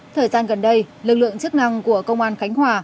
thời gian gần đây lực lượng chức năng của công an khánh hòa